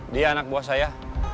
dia anak buah saya